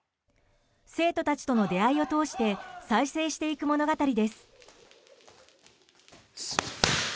生徒たちとの出会いを通して再生していく物語です。